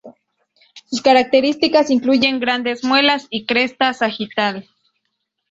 Sus características incluyen grandes muelas y cresta sagital.